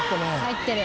「入ってる」